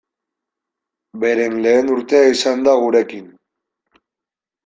Beren lehen urtea izan da gurekin.